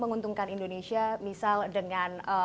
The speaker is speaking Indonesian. menguntungkan indonesia misal dengan